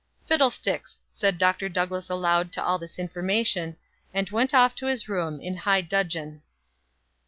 "Fiddlesticks!" said Dr. Douglass aloud to all this information, and went off to his room in high dudgeon.